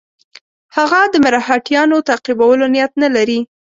هغه د مرهټیانو تعقیبولو نیت نه لري.